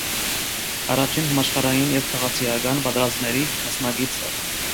Առաջին համաշխարհային և քաղաքացիական պատերազմների մասնակից է։